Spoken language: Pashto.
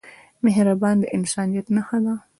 مهرباني د انسانیت نښه ده.